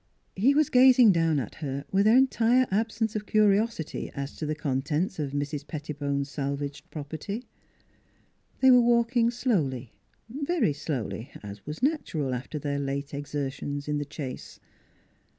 He was gazing down at her with entire absence of curiosity as to the contents of Mrs. Pettibone's salvaged property. ... They were walking slowly, very slowly, as was natural after their late exertions in the chase.